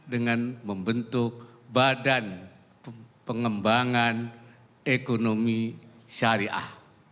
dengan membentuk badan pengembangan ekonomi syariah